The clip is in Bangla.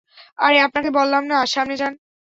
আরে, আপনাকে বললাম না সামনে যান!